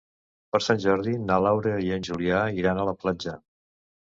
Per Sant Jordi na Laura i en Julià iran a la platja.